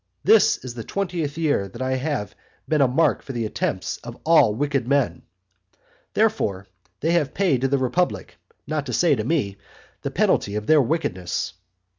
This is the twentieth year that I have been a mark for the attempts of all wicked men; therefore, they have paid to the republic (not to say to me) the penalty of their wickedness.